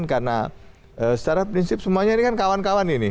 karena secara prinsip semuanya ini kan kawan kawan ini